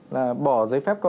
là bỏ giấy phép